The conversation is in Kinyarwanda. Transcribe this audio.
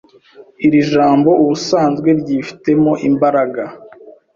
Iri jambo ubusanzwe ryifitemo imbaraga